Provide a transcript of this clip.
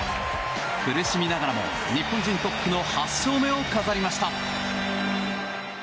苦しみながらも日本人トップの８勝目を飾りました。